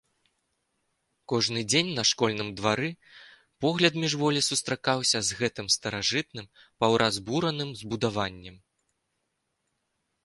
Кожны дзень на школьным двары погляд міжволі сустракаўся з гэтым старажытным, паўразбураным збудаваннем.